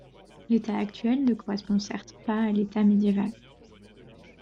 L’état actuel ne correspond certes pas à l’état médiéval.